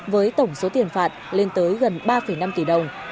với tổng số tiền phạt lên tới gần ba năm tỷ đồng